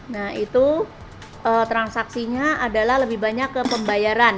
nah itu transaksinya adalah lebih banyak ke pembayaran